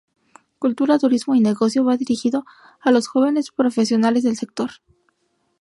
Cultura, Turismo y Negocio" va dirigido a los jóvenes profesionales del sector Turístico.